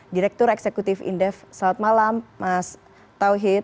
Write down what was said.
direktur eksekutif indef selamat malam mas tauhid